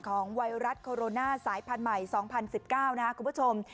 ไวรัสโคโรนาสายพันธุ์ใหม่๒๐๑๙นะครับคุณผู้ชม